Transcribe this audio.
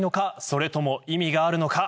それとも意味があるのか。